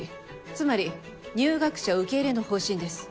つまり入学者受け入れの方針です。